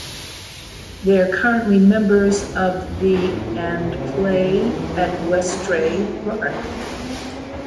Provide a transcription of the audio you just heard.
They are currently members of the and play at Westray Park.